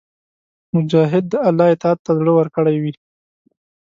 مجاهد د الله اطاعت ته زړه ورکړی وي.